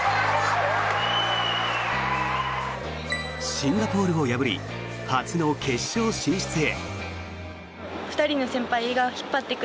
シンガポールを破り初の決勝進出へ。